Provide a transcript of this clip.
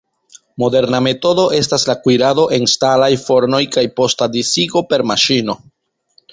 Moderna metodo estas la kuirado en ŝtalaj fornoj kaj posta disigo per maŝino.